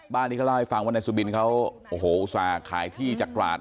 บ้านนี้เขาเล่าให้ฟังว่านายสุบินเขาโอ้โหอุตส่าห์ขายที่จากตราด